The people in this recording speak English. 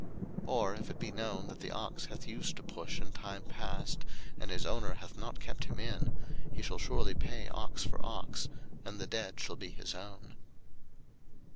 02:021:036 Or if it be known that the ox hath used to push in time past, and his owner hath not kept him in; he shall surely pay ox for ox; and the dead shall be his own.